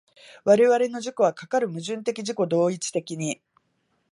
我々の自己はかかる矛盾的自己同一的に